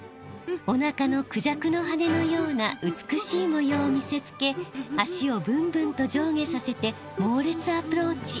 おなかのクジャクの羽のような美しい模様を見せつけ足をブンブンと上下させてもうれつアプローチ！